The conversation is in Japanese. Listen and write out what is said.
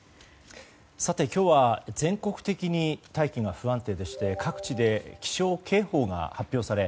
さて今日は全国的に大気が不安定でして各地で気象警報が発表され